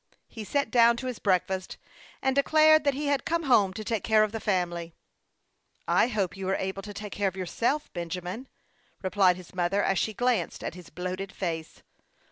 He sat down to his breakfast, and declared that he had come home to take care of the family. " I hope you are able to take care of yourself, 11 122 HASTE AND WASTE, OR Benjamin," replied his mother, as she glanced at his bloated face.